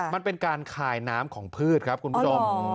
มันเป็นการคายน้ำของพืชครับคุณผู้ชม